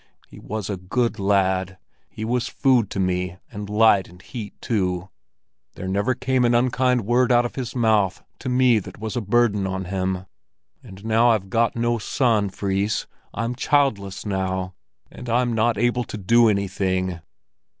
"He was a good lad. He was food to me, and light and heat too. There never came an unkind word out of his mouth to me that was a burden on him. And now I've got no son, Fris! I'm childless now! And I'm not able to do anything!"